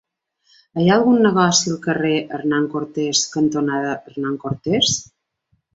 Hi ha algun negoci al carrer Hernán Cortés cantonada Hernán Cortés?